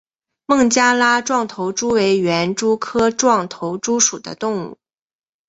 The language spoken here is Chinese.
孟加拉壮头蛛为园蛛科壮头蛛属的动物。